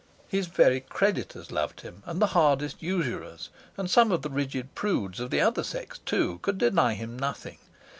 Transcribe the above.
His very creditors loved him; and the hardest usurers, and some of the rigid prudes of the other sex too, could deny him nothing.